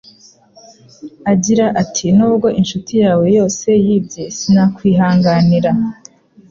Agira ati 'Nubwo inshuti yawe yose yibye, sinakwihanganira.